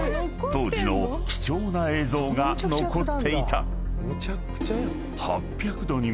［当時の貴重な映像が残っていた］